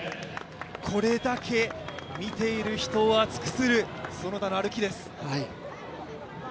これだけ見ている人を熱くする園田の歩きです。